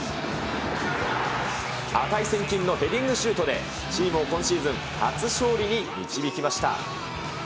値千金のヘディングシュートで、チームを今シーズン、初勝利に導きました。